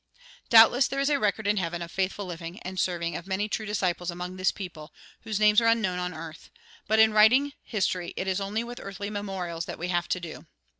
Doubtless there is a record in heaven of faithful living and serving of many true disciples among this people, whose names are unknown on earth; but in writing history it is only with earthly memorials that we have to do.